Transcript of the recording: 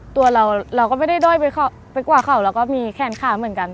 ตัวเราเราก็ไม่ได้ด้อยไปกว่าเขาแล้วก็มีแขนขาเหมือนกัน